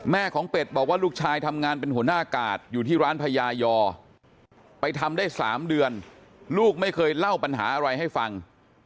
ของเป็ดบอกว่าลูกชายทำงานเป็นหัวหน้ากาดอยู่ที่ร้านพญายอไปทำได้๓เดือนลูกไม่เคยเล่าปัญหาอะไรให้ฟัง